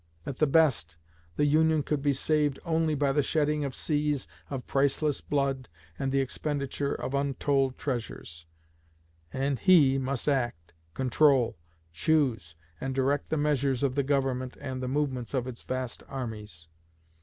At the best, the Union could be saved only by the shedding of seas of priceless blood and the expenditure of untold treasures. And he must act, control, choose, and direct the measures of the Government and the movements of its vast armies.